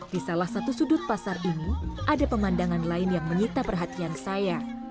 di salah satu sudut pasar ini ada pemandangan lain yang menyita perhatian saya